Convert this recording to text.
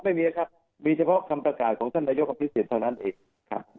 ไม่มีครับมีเฉพาะคำประกาศของท่านนายกอภิเศษเท่านั้นเองครับ